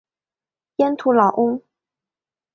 盐土老翁。